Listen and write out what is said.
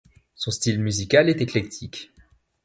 Son style musical est éclectique.